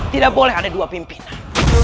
tidak boleh ada dua pimpinan